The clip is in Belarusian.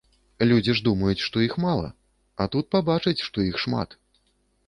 Людзі ж думаюць, што іх мала, а тут пабачаць, што іх шмат.